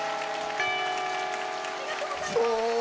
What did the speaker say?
ありがとうございます。